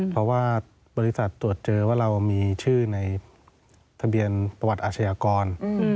เพราะว่าบริษัทตรวจเจอว่าเรามีชื่อในทะเบียนประวัติอาชญากร